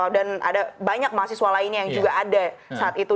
dan ada banyak mahasiswa lainnya yang juga ada saat itu